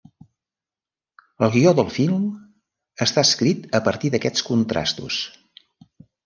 El guió del film està escrit a partir d’aquests contrastos.